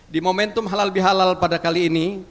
di momentum halal bihalal pada kali ini